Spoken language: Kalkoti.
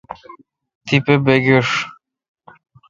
تیپہ بگیݭ ۔